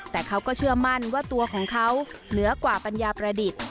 แต่เขาก็เชื่อมั่นว่าตัวของเขาเหนือกว่าปัญญาประดิษฐ์